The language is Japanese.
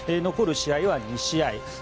残る試合は２試合。